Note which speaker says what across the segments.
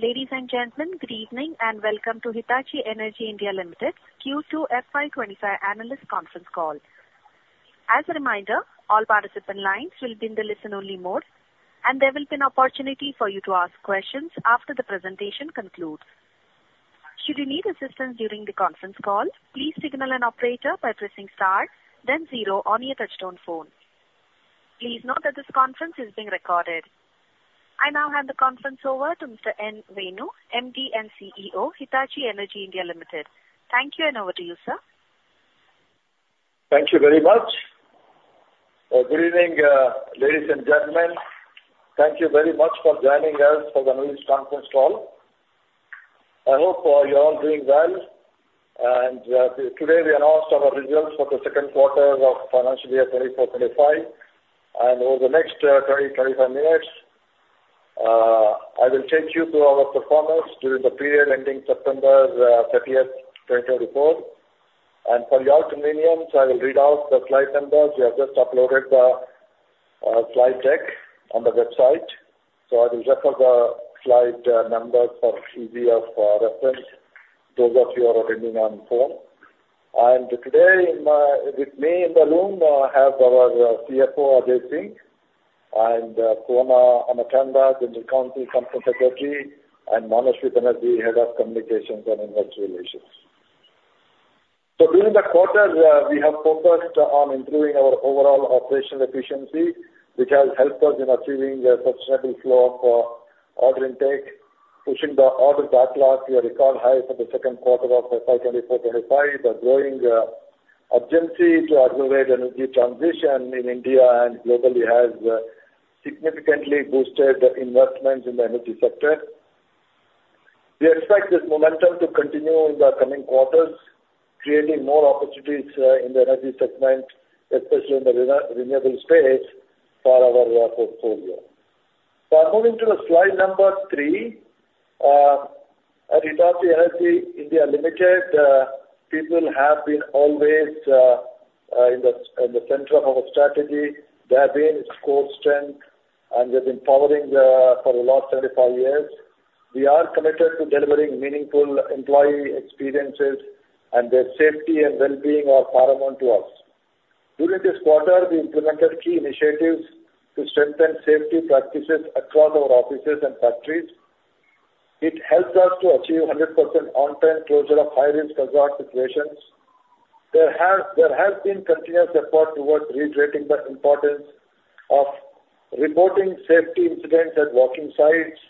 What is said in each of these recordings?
Speaker 1: Ladies and gentlemen, good evening and welcome to Hitachi Energy India Limited's Q2 FY 2025 Analyst Conference Call. As a reminder, all participant lines will be in the listen-only mode, and there will be an opportunity for you to ask questions after the presentation concludes. Should you need assistance during the conference call, please signal an operator by pressing star, then zero on your touch-tone phone. Please note that this conference is being recorded. I now hand the conference over to Mr. N. Venu, MD and CEO of Hitachi Energy India Limited. Thank you, and over to you, sir.
Speaker 2: Thank you very much. Good evening, ladies and gentlemen. Thank you very much for joining us for the analyst conference call. I hope you're all doing well. Today, we announced our results for the second quarter of financial year 2024-2025. Over the next 20, 25 minutes, I will take you through our performance during the period ending September 30th, 2024. For your convenience, I will read out the slide numbers. We have just uploaded the slide deck on the website. I will refer to the slide numbers for ease of reference, those of you who are attending on the phone. Today, with me in the room, I have our CFO, Ajay Singh, and Poovanna Ammatanda, General Counsel and Company Secretary, and Manashwi Banerjee, Head of Communications and Investor Relations. During the quarter, we have focused on improving our overall operational efficiency, which has helped us in achieving a sustainable flow of order intake, pushing the order backlog to a record high for the second quarter of FY 2024-2025. The growing urgency to accelerate energy transition in India and globally has significantly boosted investments in the energy sector. We expect this momentum to continue in the coming quarters, creating more opportunities in the energy segment, especially in the renewable space, for our portfolio. Moving to slide number three, at Hitachi Energy India Limited, people have been always in the center of our strategy. They have been its core strength, and they've been powering for the last 25 years. We are committed to delivering meaningful employee experiences, and their safety and well-being are paramount to us. During this quarter, we implemented key initiatives to strengthen safety practices across our offices and factories. It helped us to achieve 100% on-time closure of high-risk hazard situations. There has been continuous effort towards reiterating the importance of reporting safety incidents at working sites.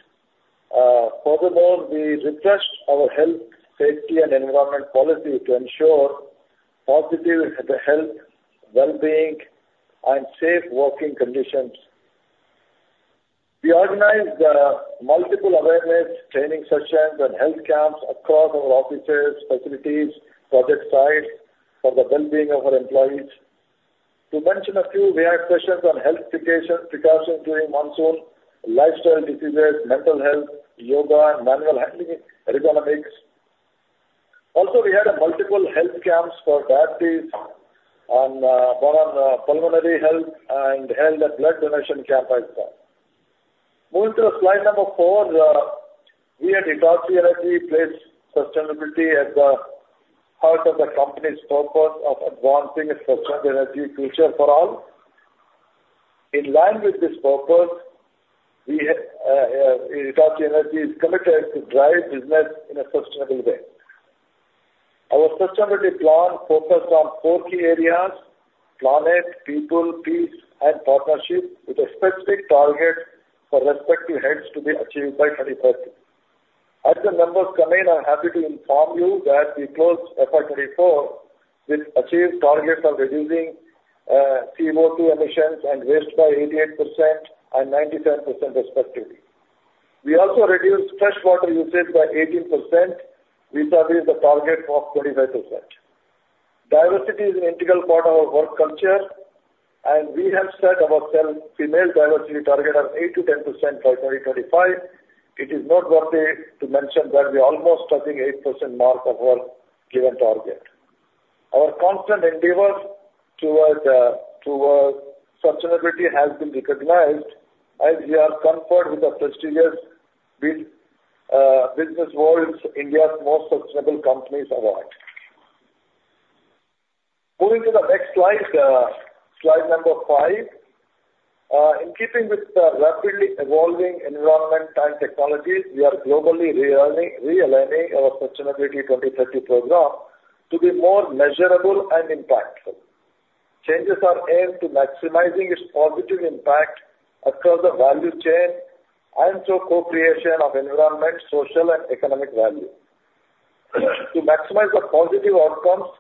Speaker 2: Furthermore, we refreshed our health, safety, and environment policy to ensure positive health, well-being, and safe working conditions. We organized multiple awareness training sessions and health camps across our offices, facilities, and project sites for the well-being of our employees. To mention a few, we had sessions on health situations, precautions during monsoon, lifestyle diseases, mental health, yoga, and manual handling ergonomics. Also, we had multiple health camps for diabetes, pulmonary health, and held a blood donation camp as well. Moving to slide number four, we at Hitachi Energy place sustainability at the heart of the company's purpose of advancing a sustainable energy future for all. In line with this purpose, Hitachi Energy is committed to drive business in a sustainable way. Our sustainability plan focused on four key areas: planet, people, peace, and partnership, with a specific target for respective heads to be achieved by 2030. As the numbers come in, I'm happy to inform you that we closed FY24 with achieved targets of reducing CO2 emissions and waste by 88% and 97%, respectively. We also reduced fresh water usage by 18%, which is the target of 25%. Diversity is an integral part of our work culture, and we have set our female diversity target of 8%-10% by 2025. It is noteworthy to mention that we are almost touching the 8% mark of our given target. Our constant endeavor towards sustainability has been recognized as we are comforted with the prestigious Businessworld's India's Most Sustainable Companies Award. Moving to the next slide, slide number five. In keeping with the rapidly evolving environment and technologies, we are globally re-aligning our Sustainability 2030 program to be more measurable and impactful. Changes are aimed to maximize its positive impact across the value chain and through co-creation of environmental, social, and economic value. To maximize the positive outcomes,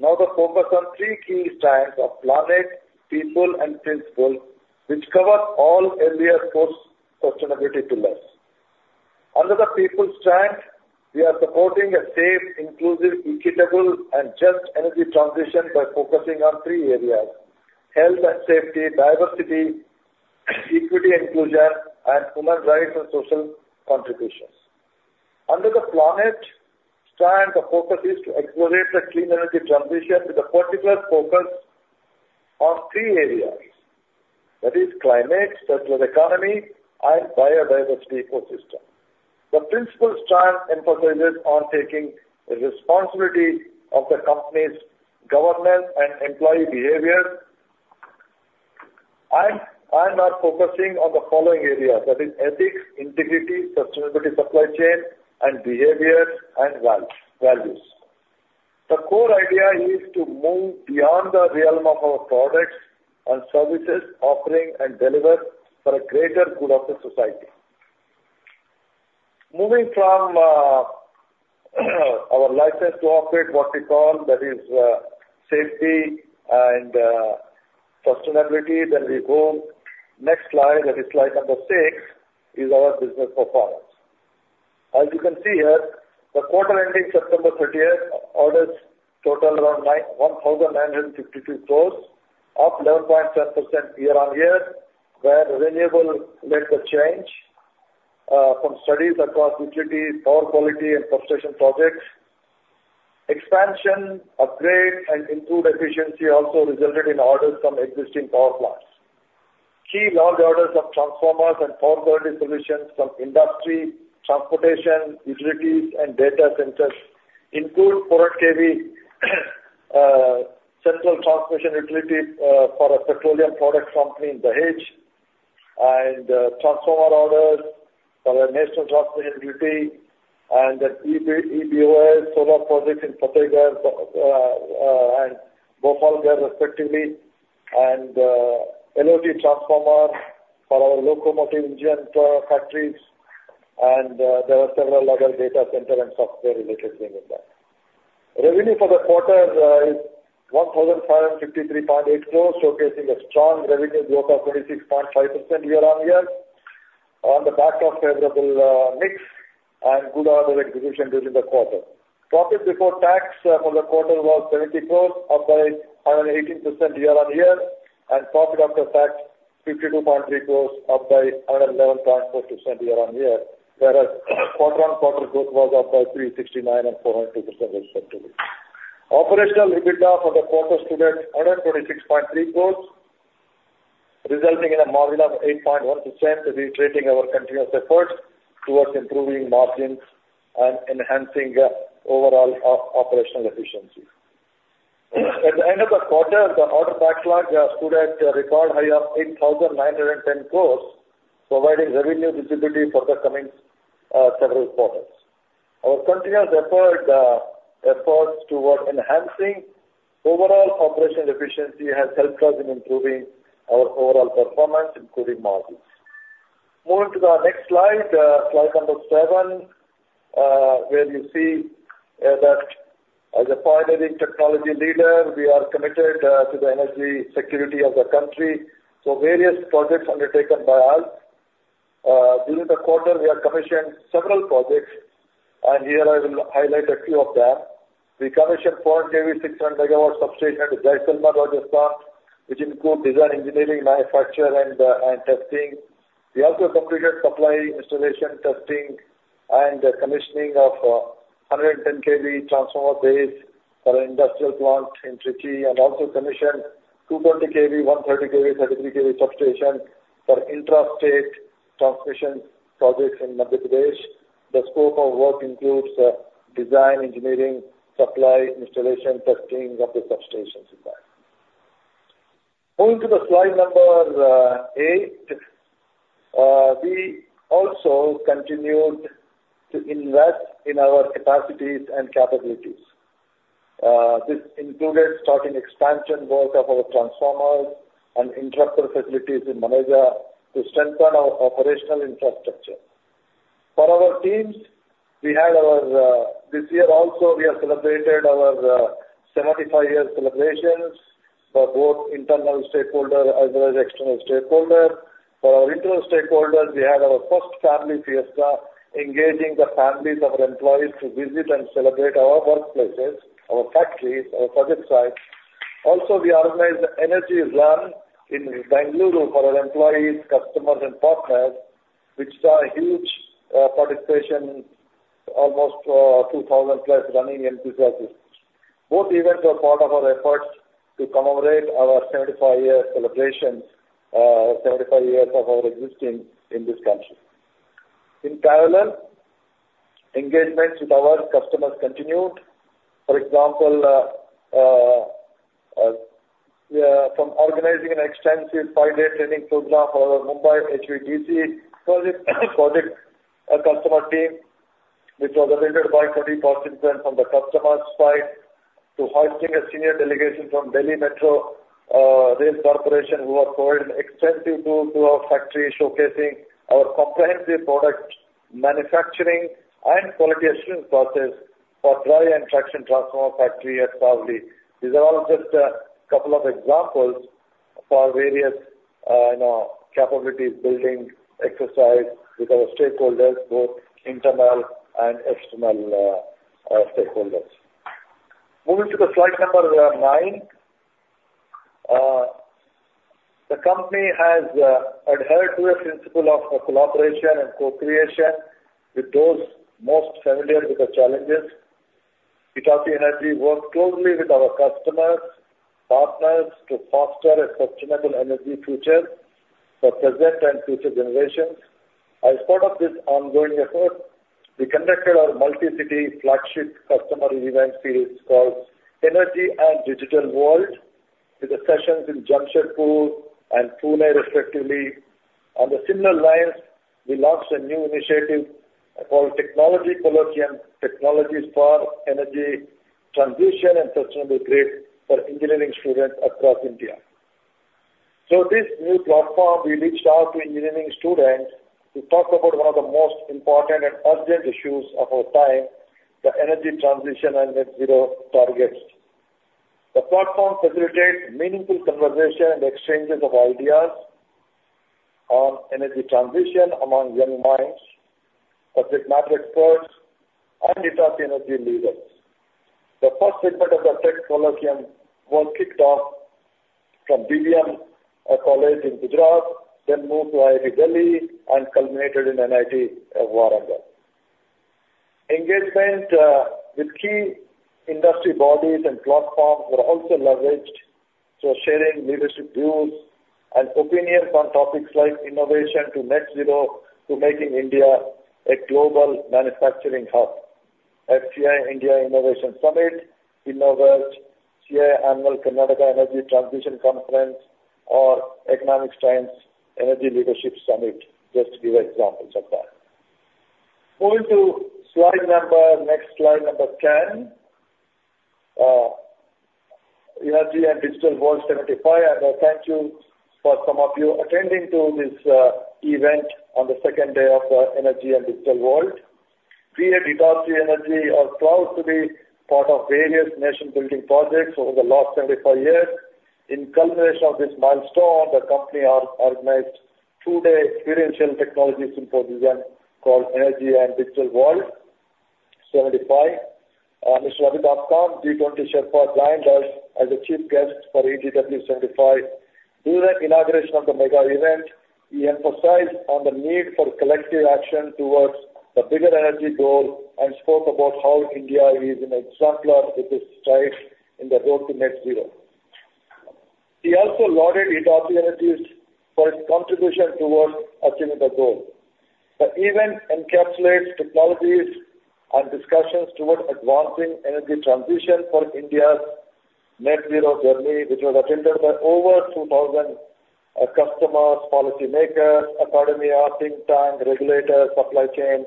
Speaker 2: now the focus on three key strands of planet, people, and principle, which cover all areas for sustainability to life. Under the people strand, we are supporting a safe, inclusive, equitable, and just energy transition by focusing on three areas: health and safety, diversity, equity and inclusion, and human rights and social contributions. Under the planet strand, the focus is to accelerate the clean energy transition with a particular focus on three areas. That is climate, circular economy, and biodiversity ecosystem. The principal strand emphasizes on taking responsibility for the company's governance and employee behaviors. I'm now focusing on the following areas. That is ethics, integrity, sustainability, supply chain, and behavior and values. The core idea is to move beyond the realm of our products and services offering and deliver for a greater good of the society. Moving from our license to operate what we call, that is safety and sustainability, then we go next slide. That is, slide number six, is our business performance. As you can see here, the quarter ending September 30th orders total around 1,952 crores, up 11.7% year on year, where renewables led the change from steady across utilities, power quality, and substation projects. Expansion, upgrade, and improved efficiency also resulted in orders from existing power plants. Key large orders of transformers and power quality solutions from industry, transportation, utilities, and data centers include 220 kV Central Transmission Utility for a petroleum product company in the UAE and transformer orders for a national transmission utility and EPC solar projects in Fatehgarh and Bhadla, respectively, and traction transformer for our locomotive engine factories, and there are several other data center and software-related things in that. Revenue for the quarter is 1,553.8 crores, showcasing a strong revenue growth of 26.5% year on year on the back of favorable mix and good order execution during the quarter. Profit before tax for the quarter was 70 crores, up by 118% year on year, and profit after tax 52.3 crores, up by 111.4% year on year, whereas quarter-on-quarter growth was up by 369% and 402%, respectively. Operational EBITDA for the quarter stood at 126.3 crores, resulting in a margin of 8.1%, reflecting our continuous efforts toward improving margins and enhancing overall operational efficiency. At the end of the quarter, the order backlog stood at a record high of 8,910 crores, providing revenue visibility for the coming several quarters. Our continuous efforts toward enhancing overall operational efficiency have helped us in improving our overall performance, including margins. Moving to the next slide, slide number seven, where you see that as a pioneering technology leader, we are committed to the energy security of the country. So various projects undertaken by us during the quarter, we have commissioned several projects, and here I will highlight a few of them. We commissioned 400 kV 600-MW substation at Jaisalmer, Rajasthan, which includes design, engineering, manufacture, and testing. We also completed supply installation, testing, and commissioning of 110 kV transformer base for an industrial plant in Trichy, and also commissioned 220 kV, 130 kV, 33 kV substation for intrastate transmission projects in Madhya Pradesh. The scope of work includes design, engineering, supply installation, testing of the substations in that. Moving to the slide number eight, we also continued to invest in our capacities and capabilities. This included starting expansion work of our transformers and interrupter facilities in Maneja to strengthen our operational infrastructure. For our teams, this year also, we have celebrated our 75-year celebrations for both internal stakeholders as well as external stakeholders. For our internal stakeholders, we had our first family fiesta, engaging the families of our employees to visit and celebrate our workplaces, our factories, our project sites. Also, we organized the Energy Run in Bengaluru for our employees, customers, and partners, which saw a huge participation, almost 2,000 plus running enthusiasts. Both events were part of our efforts to commemorate our 75-year celebration, 75 years of our existence in this country. In parallel, engagements with our customers continued. For example, from organizing an extensive five-day training program for our Mumbai HVDC project customer team, which was attended by 20 participants from the customer side, to hosting a senior delegation from Delhi Metro Rail Corporation, who were providing extensive tours to our factories, showcasing our comprehensive product manufacturing and quality assurance process for dry and traction transformer factory at Savli. These are all just a couple of examples for various capabilities building exercise with our stakeholders, both internal and external stakeholders. Moving to the slide number nine, the company has adhered to the principle of collaboration and co-creation with those most familiar with the challenges. Hitachi Energy works closely with our customers, partners to foster a sustainable energy future for present and future generations. As part of this ongoing effort, we conducted our multi-city flagship customer event series called Energy and Digital World with the sessions in Jamshedpur and Pune, respectively. On the similar lines, we launched a new initiative called Technology Colloquium Technologies for Energy Transition and Sustainable Grid for engineering students across India, so this new platform, we reached out to engineering students to talk about one of the most important and urgent issues of our time, the energy transition and Net Zero targets. The platform facilitates meaningful conversation and exchanges of ideas on energy transition among young minds, subject matter experts, and Hitachi Energy leaders. The first segment of the tech colloquium was kicked off from BVM College in Gujarat, then moved to IIT Delhi and culminated in NIT Warangal. Engagement with key industry bodies and platforms were also leveraged for sharing leadership views and opinions on topics like innovation to net zero to making India a global manufacturing hub. At CII India Innovation Summit, Innoverge Annual Karnataka Energy Transition Conference, or Economic Times Energy Leadership Summit, just to give examples of that. Moving to slide number next, slide number 10, Energy and Digital World 75. And I thank you for some of you attending to this event on the second day of Energy and Digital World. We at Hitachi Energy are proud to be part of various nation-building projects over the last 75 years. In culmination of this milestone, the company organized a two-day experiential technology symposium called Energy and Digital World 75. Mr. Amitabh Kant, G20 Sherpa joined us as a chief guest for EGW 75. During the inauguration of the mega event, we emphasized on the need for collective action towards the bigger energy goal and spoke about how India is an exemplar with its stride in the road to net zero. We also lauded Hitachi Energy's contribution towards achieving the goal. The event encapsulates technologies and discussions towards advancing energy transition for India's net zero journey, which was attended by over 2,000 customers, policymakers, academia, think tank, regulators, supply chain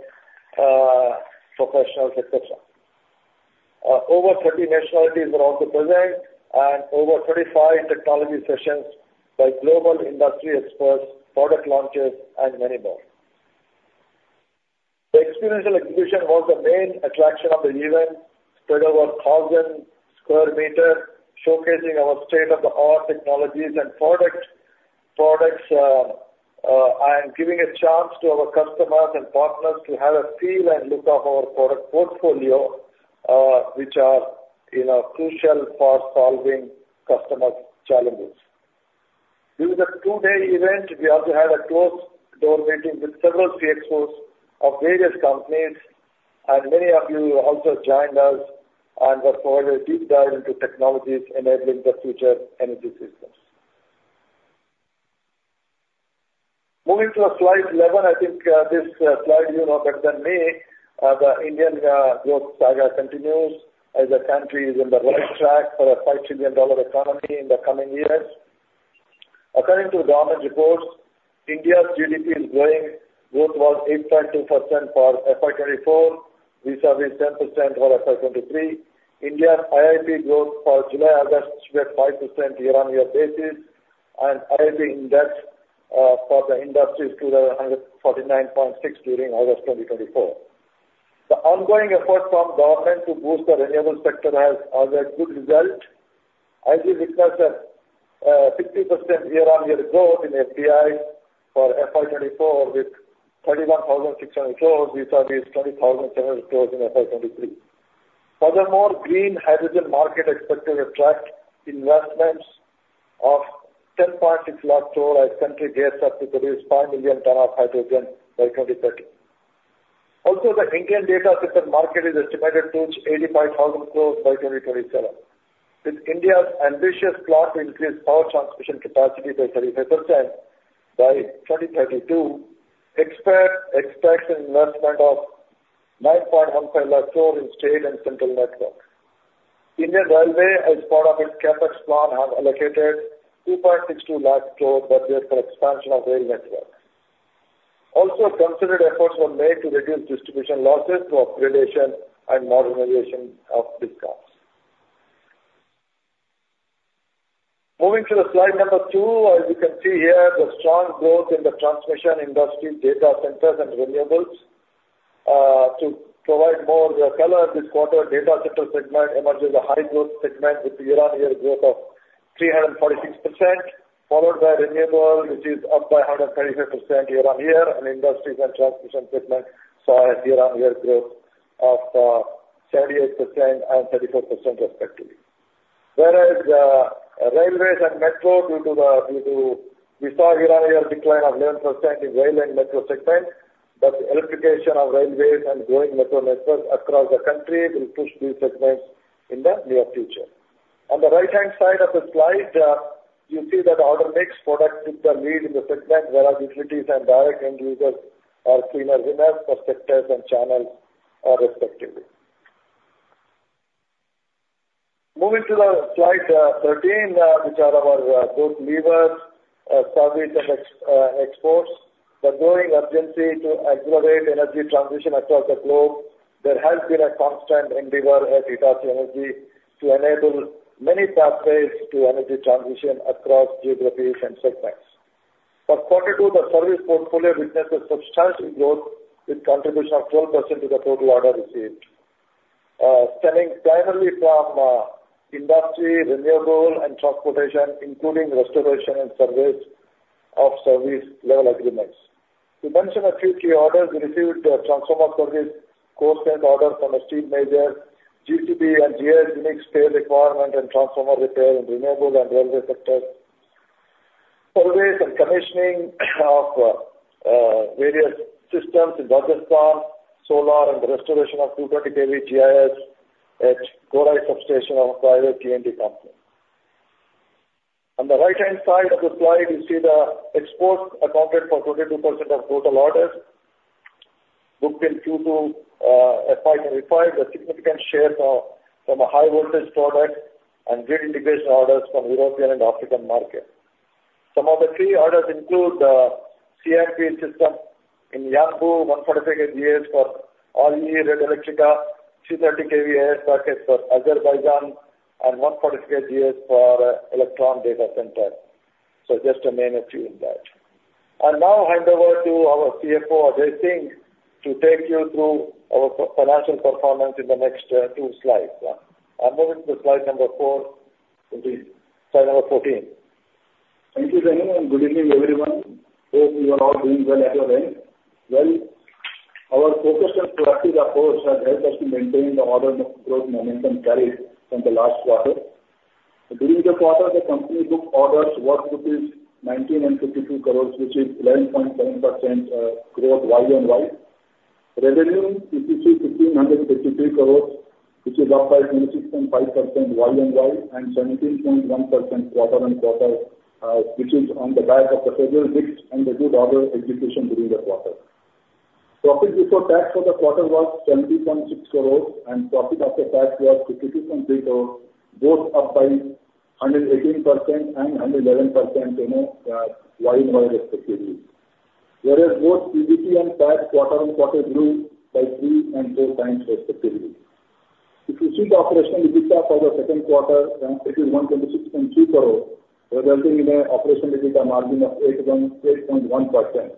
Speaker 2: professionals, etc. Over 30 nationalities were also present and over 35 technology sessions by global industry experts, product launches, and many more. The experiential exhibition was the main attraction of the event, spread over 1,000 sq m, showcasing our state-of-the-art technologies and products and giving a chance to our customers and partners to have a feel and look at our product portfolio, which are crucial for solving customer challenges. During the two-day event, we also had a closed-door meeting with several CXOs of various companies, and many of you also joined us and were provided a deep dive into technologies enabling the future energy systems. Moving to slide 11, I think this slide you know better than me. The Indian growth saga continues as the country is on the right track for a $5 trillion economy in the coming years. According to government reports, India's GDP is growing. Growth was 8.2% for FY 2024, which is 10% for FY 2023. India's IIP growth for July-August was 5% year-on-year basis, and IIP index for the industry stood at 149.6 during August 2024. The ongoing efforts from the government to boost the renewable sector have had a good result. IIP recognized a 50% year-on-year growth in FDI for FY 2024 with 31,600 crores, which is 20,700 crores in FY 2023. Furthermore, the green hydrogen market is expected to attract investments of 10.6 lakh crores as the country aims to produce 5 million tons of hydrogen by 2030. Also, the Indian data center market is estimated to reach 85,000 crores by 2027. With India's ambitious plan to increase power transmission capacity by 35% by 2032, it expects an investment of 9.15 lakh crores in state and central networks. Indian Railways, as part of its CapEx plan, has allocated a 2.62 lakh crores budget for expansion of rail networks. Also, concerted efforts were made to reduce distribution losses through upgradation and modernization of substations. Moving to slide number 2, as you can see here, the strong growth in the transmission industry, data centers, and renewables. To provide more color, this quarter data center segment emerged as a high-growth segment with year-on-year growth of 346%, followed by renewables, which is up by 135% year-on-year. And industries and transmission segments saw a year-on-year growth of 78% and 34%, respectively. Whereas railways and metro, due to which we saw a year-on-year decline of 11% in rail and metro segments, but the electrification of railways and growing metro networks across the country will push these segments in the near future. On the right-hand side of the slide, you see that the order mix products took the lead in the segment, whereas utilities and direct end users are clear winners, projects, and channels, respectively. Moving to slide 13, which are our growth levers, service and exports. The growing urgency to accelerate energy transition across the globe. There has been a constant endeavor at Hitachi Energy to enable many pathways to energy transition across geographies and segments. For quarter two, the service portfolio witnessed a substantial growth with contribution of 12% to the total order received, stemming primarily from industry, renewable, and transportation, including restoration and service of service-level agreements. To mention a few key orders, we received the transformer service coastal order from the steel major, GCB and GIS Unique Spare Requirement and Transformer Repair in renewable and railway sectors. Service and commissioning of various systems in Rajasthan, solar, and the restoration of 220 kV GIS at Gorai substation of a private T&D company. On the right-hand side of the slide, you see the exports accounted for 22% of total orders booked in Q2 FY 2025, a significant share from a high-voltage product and grid integration orders from European and African markets. Some of the key orders include the C&P system in Yanbu, 145 kV GIS for Red Eléctrica, 230 kV AIS packages for Azerbaijan, and 145 kV GIS for Echelon Data Center. So just to name a few in that. I'll now hand over to our CFO, Ajay Singh, to take you through our financial performance in the next two slides. I'm moving to slide number four, slide number 14. Thank you, Venu. Good evening, everyone. Hope you are all doing well at your end. Our focused and proactive approach has helped us to maintain the order growth momentum carried from the last quarter. During the quarter, the company booked orders worth rupees 1,952 crores, which is 11.7% growth year-on-year. Revenue, we see 1,553 crores, which is up by 26.5% year-on-year and 17.1% quarter-on-quarter, which is on the back of the favorable mix and the good order execution during the quarter. Profit before tax for the quarter was 70.6 crores, and profit after tax was 52.3 crores, both up by 118% and 111% year-on-year, respectively. Whereas both EBITDA and PAT quarter-on-quarter grew by three and four times, respectively. If you see the operational EBITDA for the second quarter, it is 126.2 crores, resulting in an operational EBITDA margin of 8.1%,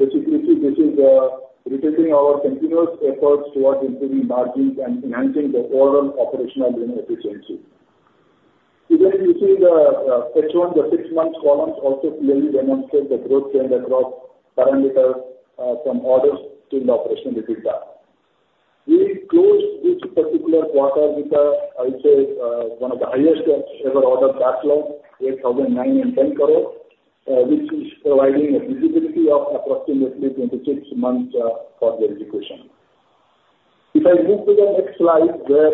Speaker 2: which is reflecting our continuous efforts towards improving margins and enhancing the overall operational efficiency. Even if you see the H1, the six-month columns also clearly demonstrate the growth trend across parameters from orders to the operational EBITDA. We closed this particular quarter with, I'd say, one of the highest ever order backlogs, 8,009.10 crores, which is providing a visibility of approximately 26 months for the execution. If I move to the next slide, where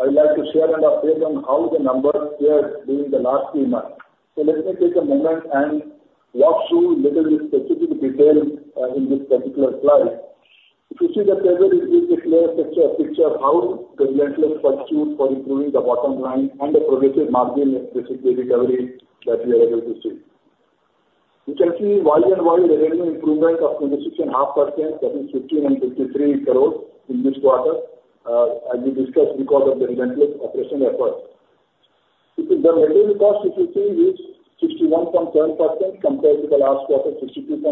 Speaker 2: I'd like to share and update on how the numbers were during the last few months. So let me take a moment and walk through a little bit specific detail in this particular slide. If you see the table, it gives a clear picture of how the value engineering pursued for improving the bottom line and the progressive margin-specific recovery that we are able to see. You can see year-on-year revenue improvement of 26.5%, that is 1,553 crores in this quarter, as we discussed because of the value engineering efforts. The material cost, if you see, is 61.7% compared to the last quarter, 62.8%.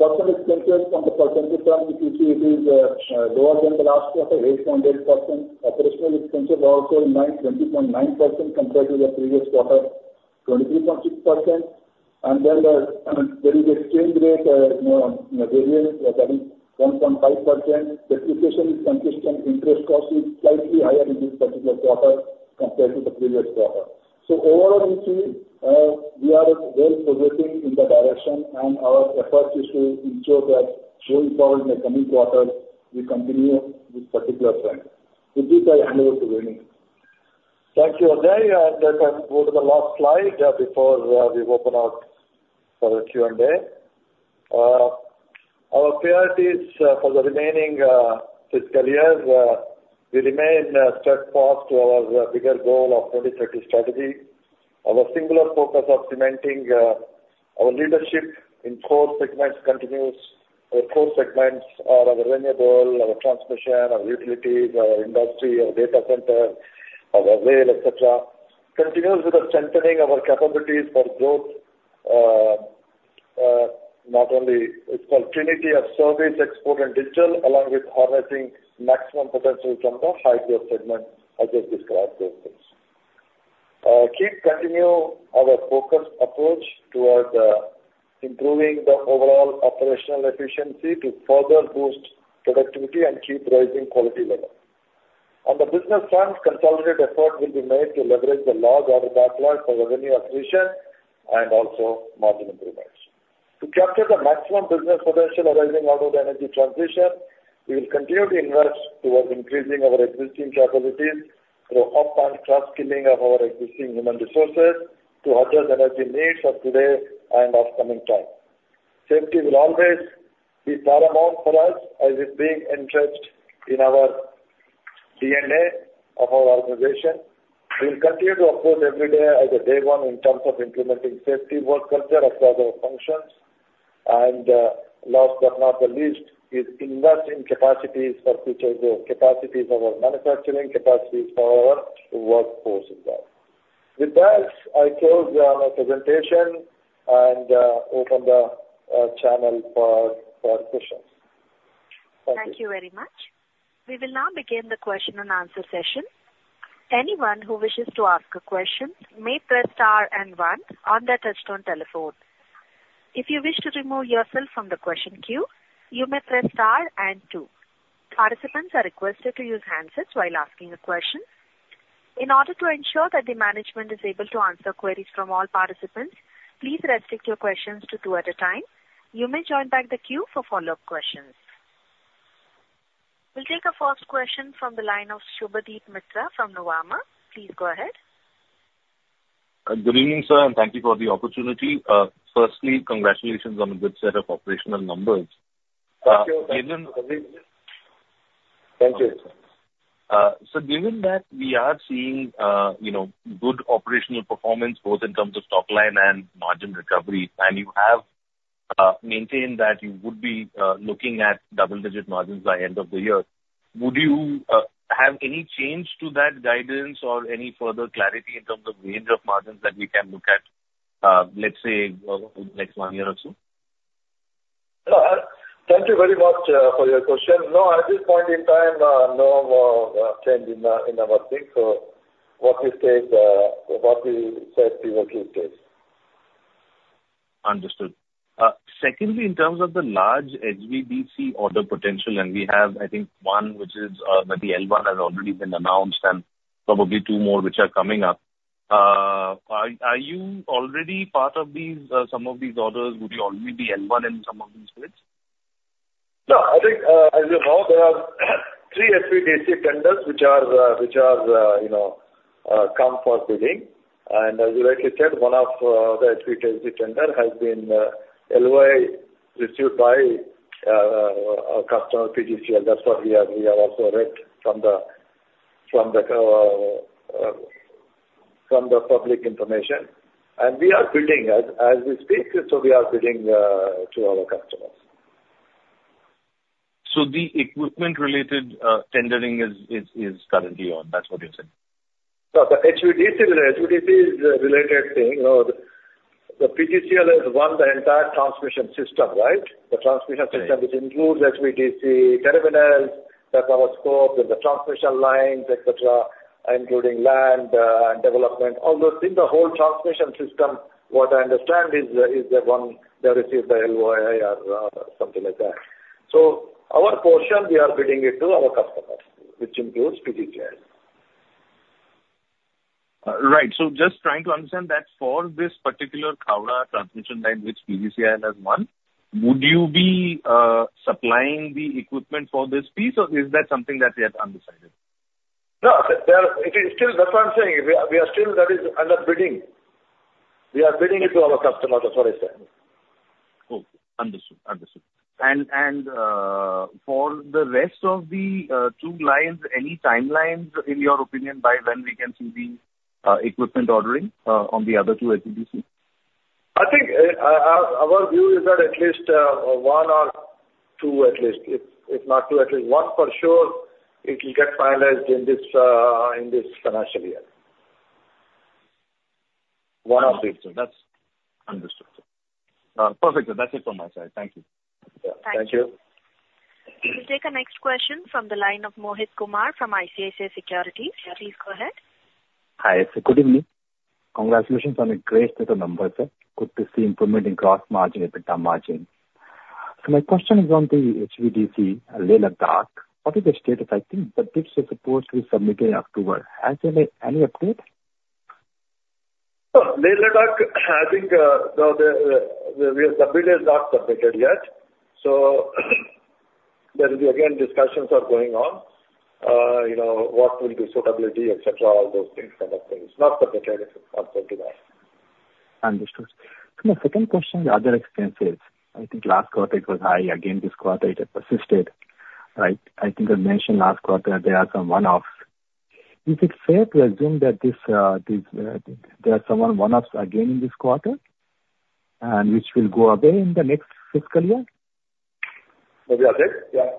Speaker 2: Customer expenses from the percentage term, if you see, it is lower than the last quarter, 8.8%. Operational expenses are also in line 20.9% compared to the previous quarter, 23.6%. And then there is exchange rate variance, that is 1.5%. Depreciation is consistent. Interest cost is slightly higher in this particular quarter compared to the previous quarter. So overall, you see, we are well progressing in the direction, and our effort is to ensure that going forward in the coming quarter, we continue this particular trend. With this, I hand over to Venu. Thank you, Ajay. Let us go to the last slide before we open up for Q&A. Our priorities for the remaining fiscal year: we remain steadfast to our bigger goal of 2030 strategy. Our singular focus of cementing our leadership in core segments continues. Our core segments are our renewable, our transmission, our utilities, our industry, our data center, our rail, etc. This continues with the strengthening of our capabilities for growth. Not only is it called Trinity of Service, Export, and Digital, along with harnessing maximum potential from the high-growth segment, as I've described those things. We keep continuing our focused approach towards improving the overall operational efficiency to further boost productivity and keep rising quality level. On the business front, consolidated efforts will be made to leverage the large order backlog for revenue accretion and also margin improvements. To capture the maximum business potential arising out of the energy transition, we will continue to invest towards increasing our existing capabilities through upskilling of our existing human resources to address energy needs of today and upcoming time. Safety will always be paramount for us, as it being entrenched in our DNA of our organization. We will continue to upgrade every day as a day one in terms of implementing safety work culture across our functions, and last but not the least, we invest in capacities for future growth, capacities of our manufacturing, capacities for our workforce as well. With that, I close my presentation and open the channel for questions.
Speaker 1: Thank you. Thank you very much. We will now begin the question and answer session. Anyone who wishes to ask a question may press star and one on their touch-tone telephone. If you wish to remove yourself from the question queue, you may press star and two. Participants are requested to use handsets while asking a question. In order to ensure that the management is able to answer queries from all participants, please restrict your questions to two at a time. You may join back the queue for follow-up questions.
Speaker 2: We'll take a first question from the line of Subhadip Mitra from Nuvama. Please go ahead.
Speaker 3: Good evening, sir, and thank you for the opportunity. Firstly, congratulations on a good set of operational numbers. Thank you. Thank you. So given that we are seeing good operational performance both in terms of top line and margin recovery, and you have maintained that you would be looking at double-digit margins by end of the year, would you have any change to that guidance or any further clarity in terms of range of margins that we can look at, let's say, over the next one year or so?
Speaker 2: Thank you very much for your question. No, at this point in time, no change in our thinking or what we said previously stated.
Speaker 3: Understood. Secondly, in terms of the large HVDC order potential, and we have, I think, one which is the L1 has already been announced and probably two more which are coming up. Are you already part of some of these orders? Would you already be L1 in some of these bids?
Speaker 2: No, I think as you know, there are three HVDC tenders which have come for bidding, and as you rightly said, one of the HVDC tenders has been L1 received by a customer PGCIL. That's what we have also read from the public information, and we are bidding as we speak. So we are bidding to our customers. So the equipment-related tendering is currently on, that's what you said? No, the HVDC is a related thing. The PGCIL has won the entire transmission system, right? The transmission system which includes HVDC terminals, that's our scope, and the transmission lines, etc., including land and development. Although in the whole transmission system, what I understand is that one they received L1 or something like that. So our portion, we are bidding it to our customers, which includes PGCIL. Right. So just trying to understand that for this particular Khavda transmission line which PGCIL has won, would you be supplying the equipment for this piece, or is that something that's yet undecided? No, it is still that's what I'm saying. We are still, that is, under bidding. We are bidding it to our customers, that's what I said.
Speaker 3: Understood. Understood. And for the rest of the two lines, any timelines in your opinion by when we can see the equipment ordering on the other two HVDC?
Speaker 2: I think our view is that at least one or two, at least. If not two, at least one for sure. It will get finalized in this financial year. One or two.
Speaker 3: That's understood. Perfect. That's it from my side. Thank you.
Speaker 2: Thank you.
Speaker 1: We'll take a next question from the line of Mohit Kumar from ICICI Securities. Please go ahead.
Speaker 4: Hi. Good evening. Congratulations on a great set of numbers. Good to see improvement in gross margin and EBITDA margin. So my question is on the HVDC, Leh-Ladakh. What is the status? I think the bids were supposed to be submitted in October. Has there been any update?
Speaker 2: Leh-Ladakh, I think the submitted is not submitted yet. So there will be again discussions are going on. What will be suitability, etc., all those things, kind of things. Not submitted until that.
Speaker 4: Understood. My second question is other expenses. I think last quarter it was high. Again, this quarter it persisted, right? I think I mentioned last quarter there are some one-offs. Is it fair to assume that there are some one-offs again in this quarter and which will go away in the next fiscal year?
Speaker 2: We are right. Yeah.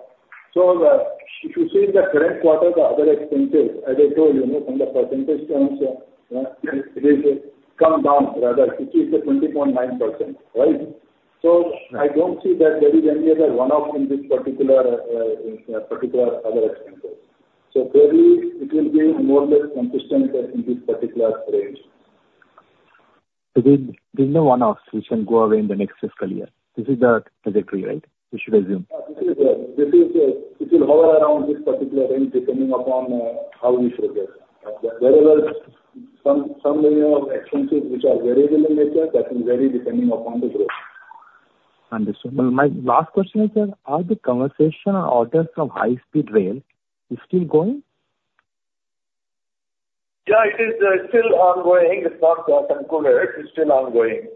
Speaker 2: So if you see in the current quarter, the other expenses, as I told you, from the percentage terms, it has come down, rather. It is 20.9%, right? So I don't see that there is any other one-off in this particular other expenses. So clearly, it will be more or less consistent in this particular range. So these are one-offs which can go away in the next fiscal year. This is the trajectory, right? We should assume. This will hover around this particular range depending upon how we progress. There are some expenses which are variable in nature that will vary depending upon the growth. Understood. My last question is, are the conversation on orders from high-speed rail still going? Yeah, it is still ongoing. It's not concluded. It's still ongoing.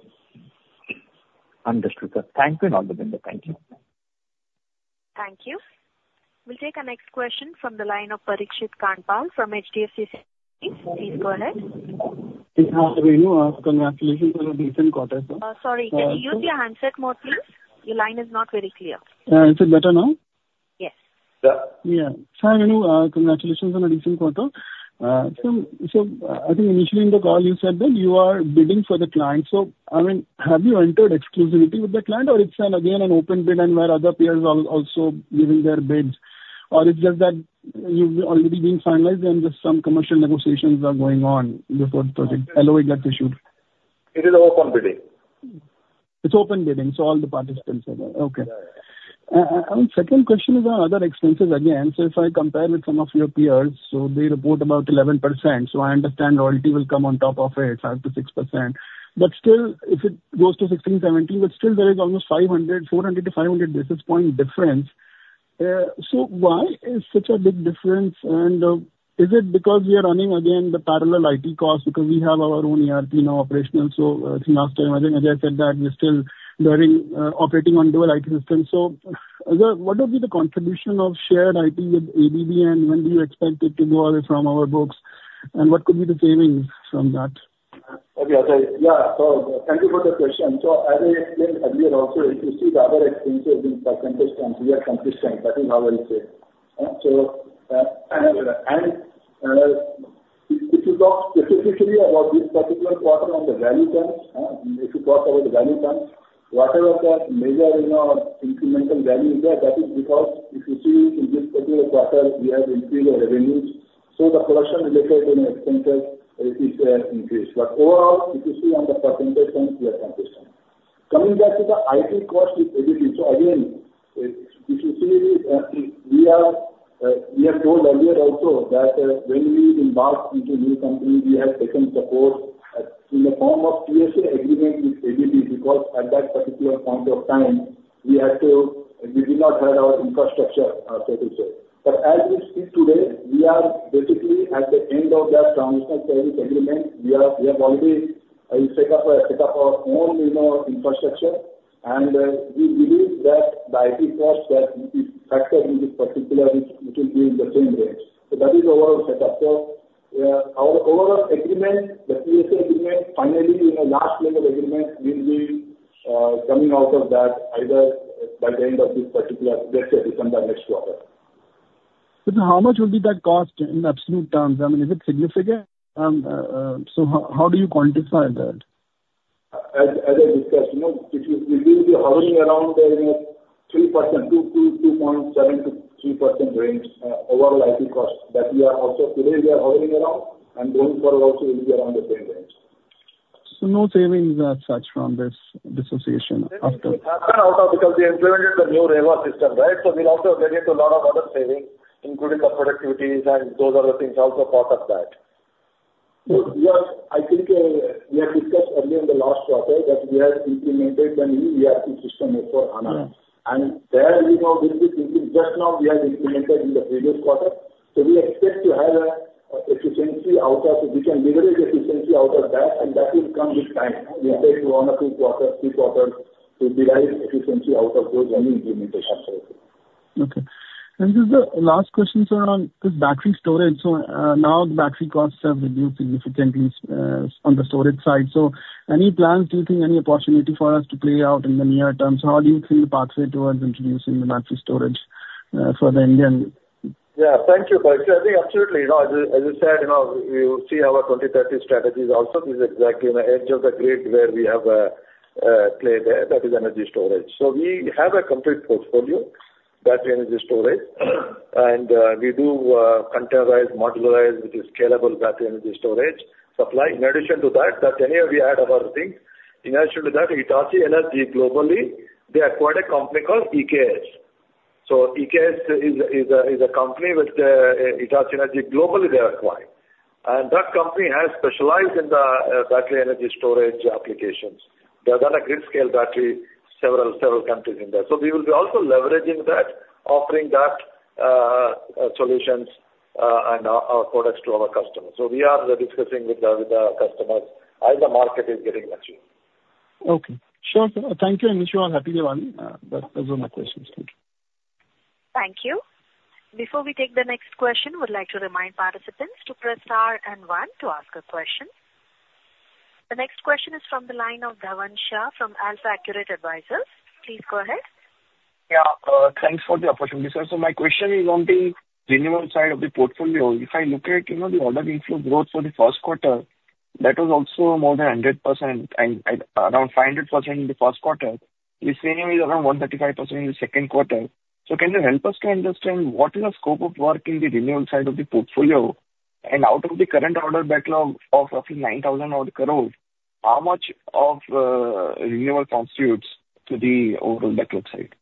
Speaker 4: Understood. Thank you, Venu. Thank you.
Speaker 1: Thank you. We'll take a next question from the line of Parikshit Kandpal from HDFC. Please go ahead.
Speaker 5: Hi, Venu. Congratulations on a decent quarter, sir. Sorry. Can you use your handset mode, please? Your line is not very clear. Is it better now? Yes. Yeah. Hi, Venu. Congratulations on a decent quarter. So I think initially in the call, you said that you are bidding for the client. So I mean, have you entered exclusivity with the client, or it's again an open bid and where other peers are also giving their bids? Or is it that you've already been finalized and just some commercial negotiations are going on before the project LOI gets issued?
Speaker 2: It is open bidding. It's open bidding. So all the participants are there.
Speaker 5: Okay. Second question is on other expenses again. So if I compare with some of your peers, so they report about 11%. So I understand royalty will come on top of it, 5%-6%. But still, if it goes to 16.70%, but still there is almost 400-500 basis point difference. So why is such a big difference? And is it because we are running again the parallel IT costs because we have our own ERP now operational? So last time, I think Ajay said that we're still operating on dual IT systems. So what would be the contribution of shared IT with ABB, and when do you expect it to go away from our books? And what could be the savings from that?
Speaker 2: Okay. Yeah. So thank you for the question. So as I explained earlier also, if you see the other expenses in percentage terms, we are consistent. That is how I'll say. And if you talk specifically about this particular quarter on the value terms, if you talk about the value terms, whatever the major incremental value is there, that is because if you see in this particular quarter, we have increased the revenues. So the production-related expenses increased. But overall, if you see on the percentage terms, we are consistent. Coming back to the IT cost with ABB, so again, if you see, we have told earlier also that when we embark into new companies, we have taken support in the form of TSA agreement with ABB because at that particular point of time, we did not have our infrastructure, so to say. But as we speak today, we are basically at the end of that transitional service agreement. We have already set up our own infrastructure, and we believe that the IT cost that is factored in this particular, it will be in the same range. So that is the overall setup. So our overall agreement, the TSA agreement, finally, last leg of agreement will be coming out of that either by the end of this particular, let's say, December next quarter.
Speaker 5: So how much would be that cost in absolute terms? I mean, is it significant? So how do you quantify that?
Speaker 2: As I discussed, we will be hovering around 3%, 2.7%-3% range overall IT costs that we are also today we are hovering around, and going forward also will be around the same range, so no savings as such from this association after? Because we implemented the new ERP system, right, so we'll also get into a lot of other savings, including the productivity, and those other things also part of that, so I think we have discussed earlier in the last quarter that we have implemented the new ERP system for Hana, and there will be just now we have implemented in the previous quarter, so we expect to have efficiency out of we can leverage efficiency out of that, and that will come with time. We expect one or two quarters, three quarters to derive efficiency out of those new implementations.
Speaker 5: Okay. And this is the last question around this battery storage. So now the battery costs have reduced significantly on the storage side. So any plans, do you think, any opportunity for us to play out in the near term? So how do you think the pathway towards introducing the battery storage for the Indian?
Speaker 2: Yeah. Thank you. I think absolutely. As I said, you see our 2030 strategies also. This is exactly on the edge of the grid where we have played there. That is energy storage. So we have a complete portfolio, battery energy storage. And we do containerized, modularized, which is scalable battery energy storage supply. In addition to that, that's anywhere we add our things. In addition to that, Hitachi Energy globally, they acquired a company called eks Energy. So, eks is a company with Hitachi Energy globally they acquired. And that company has specialized in the battery energy storage applications. They've done a grid-scale battery, several countries in there. So we will be also leveraging that, offering that solutions and our products to our customers. So we are discussing with the customers as the market is getting matured.
Speaker 5: Okay. Sure. Thank you. I'm sure I'll happily run those other questions. Thank you.
Speaker 1: Thank you. Before we take the next question, we'd like to remind participants to press star and one to ask a question. The next question is from the line of Dhavan Shah from AlfAccurate Advisors. Please go ahead.
Speaker 6: Yeah. Thanks for the opportunity. So my question is on the renewable side of the portfolio. If I look at the order inflow growth for the first quarter, that was also more than 100% and around 500% in the first quarter. The same is around 135% in the second quarter. So can you help us to understand what is the scope of work in the renewable side of the portfolio? And out of the current order backlog of roughly 9,000 crore, how much of renewable constitutes to the overall backlog side?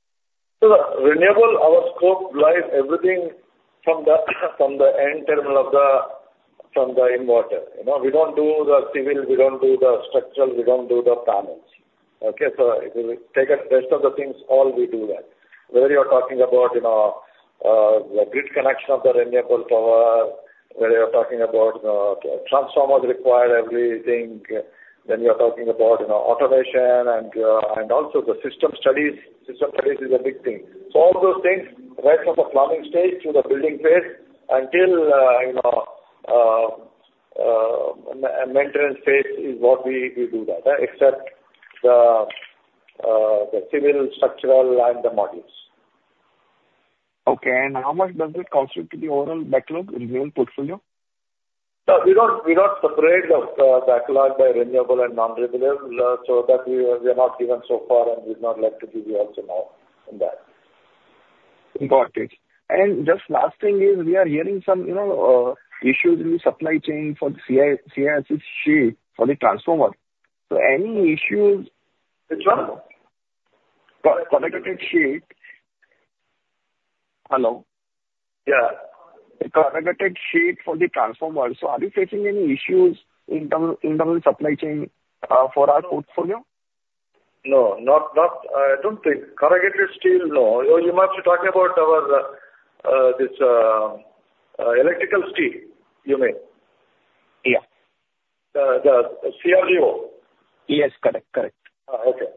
Speaker 2: So renewable, our scope lies everything from the end terminal of the inverter. We don't do the civil. We don't do the structural. We don't do the panels. Okay? So take a list of the things. All we do that. Whether you're talking about the grid connection of the renewable power, whether you're talking about transformers required, everything, then you're talking about automation and also the system studies. System studies is a big thing. So all those things, right from the planning stage to the building phase until maintenance phase is what we do that, except the civil, structural, and the modules.
Speaker 6: Okay. And how much does it constitute to the overall backlog in the portfolio?
Speaker 2: We don't separate the backlog by renewable and non-renewable so that we are not given so far and we're not led to give you also more on that.
Speaker 6: Got it. And just last thing is we are hearing some issues in the supply chain for the CRGO sheet for the transformer. So any issues? Which one? Corrugated sheet. Hello?
Speaker 2: Yeah.
Speaker 6: Corrugated sheet for the transformer. So are you facing any issues in the supply chain for our portfolio?
Speaker 2: No. I don't think. Corrugated steel, no. You must be talking about this electrical steel, you mean?
Speaker 6: Yeah.
Speaker 2: The CRGO.
Speaker 6: Yes. Correct. Correct.
Speaker 2: Okay.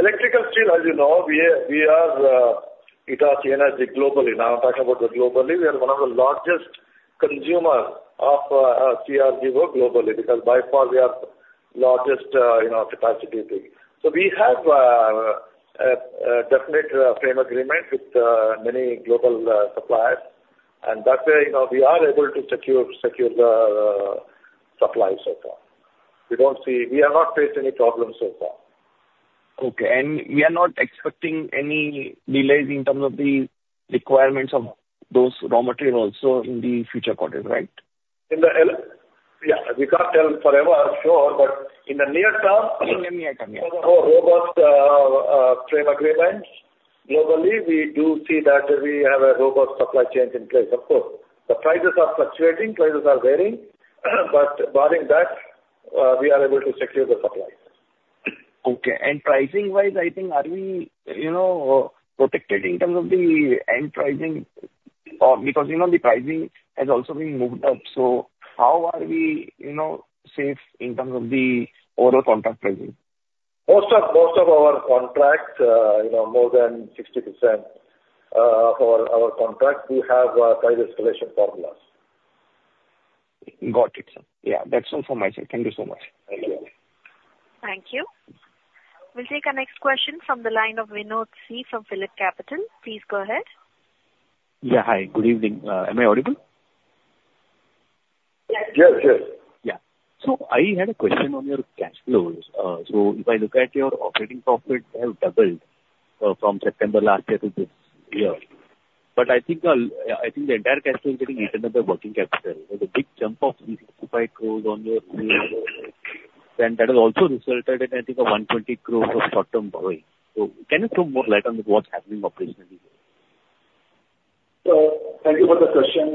Speaker 2: Electrical steel, as you know, we are Hitachi Energy globally. Now I'm talking about globally. We are one of the largest consumers of CRGO globally because by far we are the largest capacity thing. We have a definite frame agreement with many global suppliers. And that way, we are able to secure the supply so far. We are not facing any problems so far.
Speaker 6: Okay. And we are not expecting any delays in terms of the requirements of those raw materials in the future quarter, right?
Speaker 2: Yeah. We can't tell forever, sure. But in the near term, let me explain. We have robust frame agreements globally. We do see that we have a robust supply chain in place. Of course, the prices are fluctuating. Prices are varying. But barring that, we are able to secure the supplies.
Speaker 6: Okay. And pricing-wise, I think, are we protected in terms of the end pricing? Because the pricing has also been moved up. So how are we safe in terms of the overall contract pricing?
Speaker 2: Most of our contracts, more than 60% of our contracts, we have price escalation formulas.
Speaker 6: Got it. Yeah. That's all for my side. Thank you so much.
Speaker 2: Thank you.
Speaker 1: Thank you. We'll take the next question from the line of Vinod C, from PhillipCapital. Please go ahead.
Speaker 7: Yeah. Hi. Good evening. Am I audible?
Speaker 2: Yes. Yes. Yes.
Speaker 7: Yeah. So I had a question on your cash flows. So if I look at your operating profit, they have doubled from September last year to this year. But I think the entire cash flow is getting eaten up by working capital. There's a big jump in this organic growth on your side. That has also resulted in, I think, 120% growth of short-term borrowing. So can you shed more light on what's happening operationally?
Speaker 2: Thank you for the question.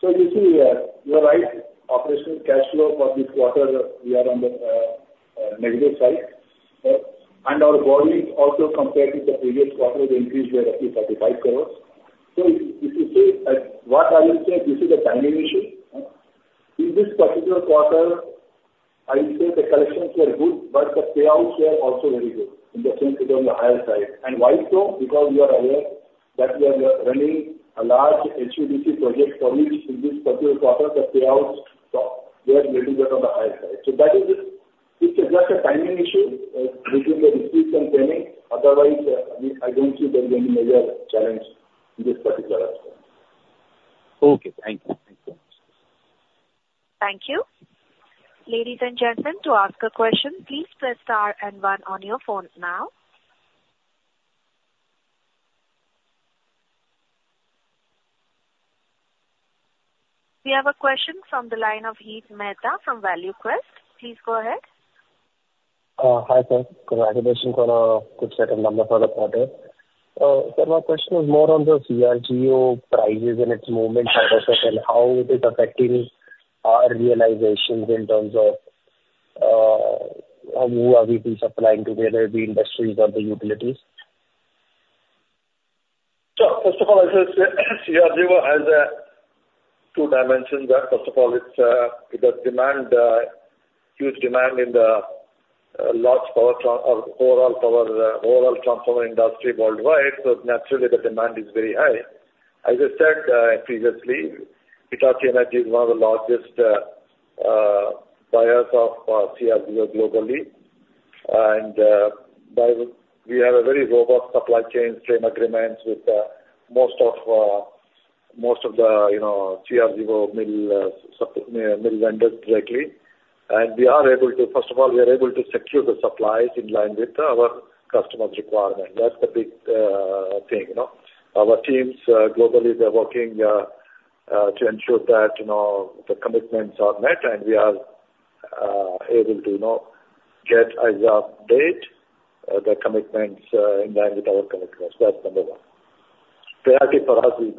Speaker 2: So you see, you're right. Operational cash flow for this quarter, we are on the negative side. And our borrowing also compared to the previous quarter has increased by roughly 35 crores. So if you see, what I will say, this is a timing issue. In this particular quarter, I would say the collections were good, but the payouts were also very high on the higher side. And why so? Because we are aware that we are running a large HVDC project for which in this particular quarter, the payouts were a little bit on the higher side. So that is just a timing issue between the receipts and payments. Otherwise, I don't see there being any major challenge in this particular aspect.
Speaker 7: Okay. Thank you.
Speaker 2: Thank you.
Speaker 1: Thank you. Ladies and gentlemen, to ask a question, please press star and one on your phone now. We have a question from the line of Heet Mehta from ValueQuest. Please go ahead.
Speaker 8: Hi, sir. Congratulations on a good second quarter for the quarter. Sir, my question is more on the CRGO prices and its movement side of it and how it is affecting our realizations in terms of who are we supplying to, whether it be industries or the utilities?
Speaker 2: Yeah. First of all, I said CRGO has two dimensions. First of all, it has huge demand in the large power or overall power transformer industry worldwide. So naturally, the demand is very high. As I said previously, Hitachi Energy is one of the largest buyers of CRGO globally. We have a very robust supply chain framework agreements with most of the CRGO mill vendors directly. And we are able to, first of all, we are able to secure the supplies in line with our customer's requirements. That's the big thing. Our teams globally, they're working to ensure that the commitments are met, and we are able to get to date the commitments in line with our commitments. That's number one. Priority for us is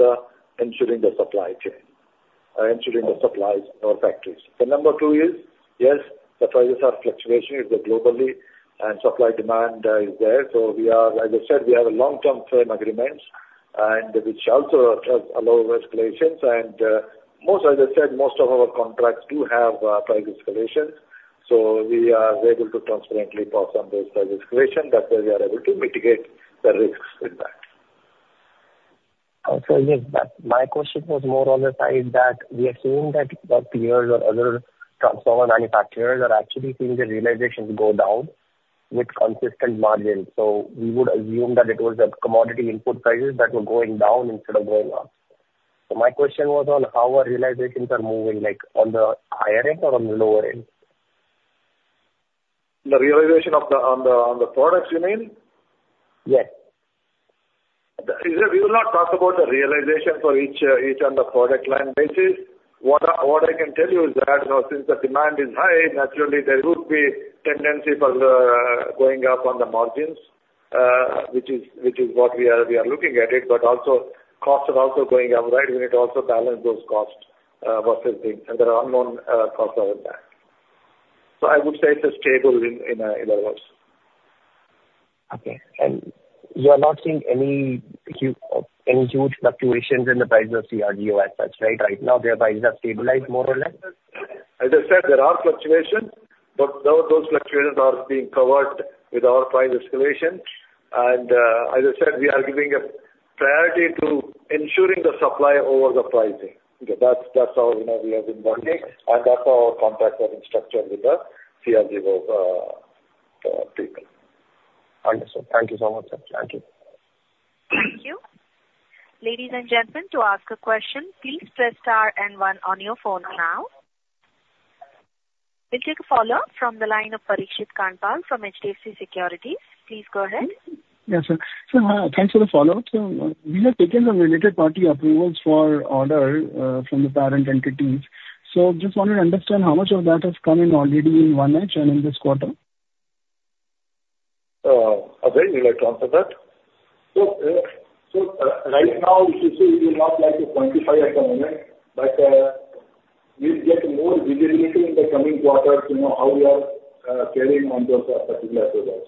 Speaker 2: ensuring the supply chain, ensuring the supplies in our factories. The number two is, yes, the prices are fluctuating globally, and supply demand is there. So as I said, we have long-term framework agreements, which also allow escalations. And as I said, most of our contracts do have price escalations. So we are able to transparently pass on those price escalations. That way, we are able to mitigate the risks with that.
Speaker 8: So my question was more on the side that we are seeing that peers or other transformer manufacturers are actually seeing the realizations go down with consistent margins. So we would assume that it was the commodity input prices that were going down instead of going up. So my question was on how our realizations are moving, on the higher end or on the lower end?
Speaker 2: The realization on the products, you mean? Yes. We will not talk about the realization for each on the product line basis. What I can tell you is that since the demand is high, naturally, there would be tendency for going up on the margins, which is what we are looking at. But costs are also going up, right? We need to also balance those costs versus the unknown costs of impact. So I would say it's stable in other words.
Speaker 8: Okay. You are not seeing any huge fluctuations in the price of CRGO as such, right? Right now, their prices have stabilized more or less?
Speaker 2: As I said, there are fluctuations, but those fluctuations are being covered with our price escalation. And as I said, we are giving priority to ensuring the supply over the pricing. That's how we have been working, and that's how our contracts are being structured with the CRGO people.
Speaker 8: Understood. Thank you so much, sir. Thank you.
Speaker 1: Thank you. Ladies and gentlemen, to ask a question, please press star and one on your phone now. We'll take a follow-up from the line of Parikshit Kandpal from HDFC Securities. Please go ahead.
Speaker 5: Yes, sir. Thanks for the follow-up. We have taken the related party approvals for order from the parent entities. Just wanted to understand how much of that has come in already in OneEdge and in this quarter? Are there any returns on that?
Speaker 2: Right now, we will not like to quantify at the moment, but we'll get more visibility in the coming quarters how we are carrying on those particular approvals.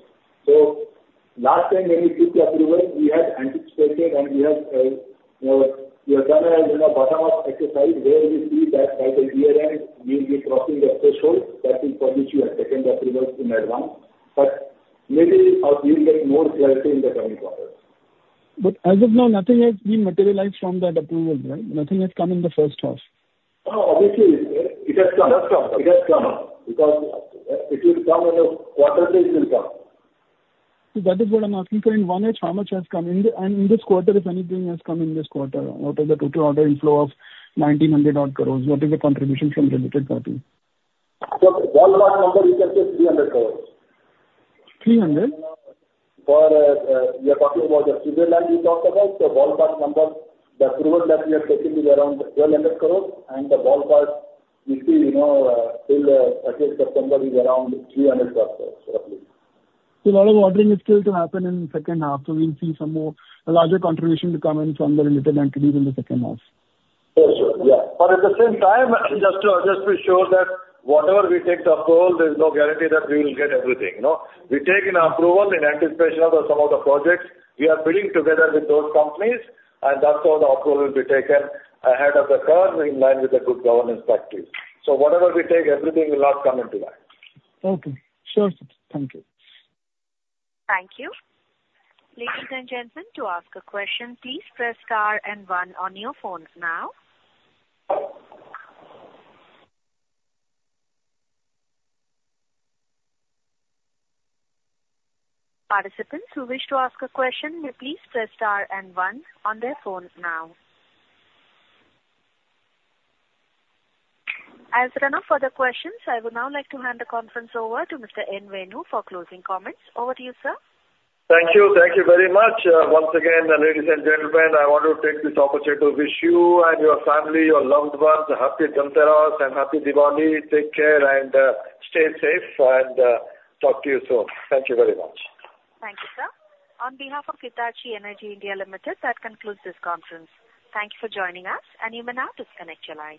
Speaker 2: Last time, when we took the approval, we had anticipated, and we have done a bottom-up exercise where we see that by the year-end, we'll be crossing the threshold. That is for which we have taken the approvals in advance. But maybe we'll get more clarity in the coming quarters.
Speaker 5: But as of now, nothing has been materialized from that approval, right? Nothing has come in the first half.
Speaker 2: Obviously, it has come. It has come. It has come because it will come in a quarterly. It will come.
Speaker 8: So that is what I'm asking for in OneEdge, how much has come in? And in this quarter, if anything has come in this quarter, out of the total order inflow of 1,900 crores, what is the contribution from related parties? So ballpark number, you can say 300 crores. 300?
Speaker 2: For we are talking about the Switzerland we talked about. So ballpark number, the approval that we have taken is around 1,200 crores, and the ballpark we see till at least September is around 300 crores roughly. So a lot of ordering is still to happen in the second half. So we'll see some more larger contribution to come in from the related entities in the second half. Yes, sir. Yeah. But at the same time, just to be sure that whatever we take the approval, there is no guarantee that we will get everything. We take an approval in anticipation of some of the projects. We are bidding together with those companies, and that's how the approval will be taken ahead of the curve in line with the good governance practice. So whatever we take, everything will not come into that.
Speaker 8: Okay. Sure, sir. Thank you. Thank you. Ladies and gentlemen, to ask a question, please press star and one on your phones now. Participants who wish to ask a question, please press star and one on their phones now. As there are no further questions, I would now like to hand the conference over to Mr. N. Venu for closing comments. Over to you, sir.
Speaker 2: Thank you. Thank you very much. Once again, ladies and gentlemen, I want to take this opportunity to wish you and your family, your loved ones a happy Dhanteras and happy Diwali. Take care and stay safe, and talk to you soon. Thank you very much.
Speaker 1: Thank you, sir. On behalf of Hitachi Energy India Limited, that concludes this conference. Thank you for joining us, and you may now disconnect your line.